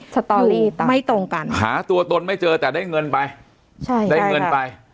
สตอรี่ไม่ตรงกันหาตัวตนไม่เจอแต่ได้เงินไปใช่ได้เงินไป